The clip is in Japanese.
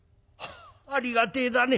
「ありがてえだね。